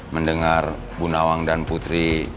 mendengar bu nawang dan putri